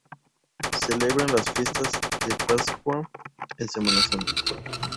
Celebran las fiestas de Pascua, en Semana Santa.